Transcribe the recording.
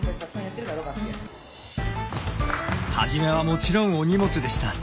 初めはもちろんお荷物でした。